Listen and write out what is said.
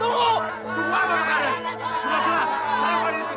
tunggu sebentar lagi